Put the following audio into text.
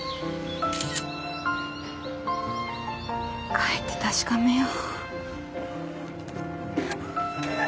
帰って確かめよう。